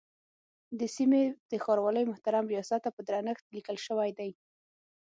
د سیمې د ښاروالۍ محترم ریاست ته په درنښت لیکل شوی دی.